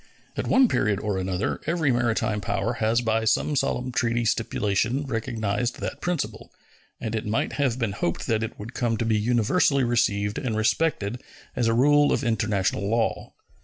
At one period or another every maritime power has by some solemn treaty stipulation recognized that principle, and it might have been hoped that it would come to be universally received and respected as a rule of international law.